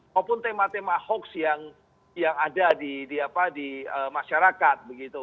maupun tema tema hoax yang ada di masyarakat